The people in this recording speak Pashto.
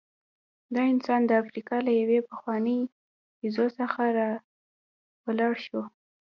دا انسان د افریقا له یوې پخوانۍ بیزو څخه راولاړ شو.